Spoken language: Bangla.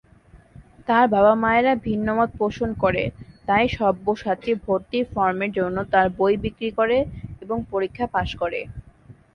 তার বাবা-মায়েরা ভিন্নমত পোষণ করে, তাই সব্যসাচী ভর্তির ফর্মের জন্য তার বই বিক্রি করে এবং পরীক্ষা পাস করে।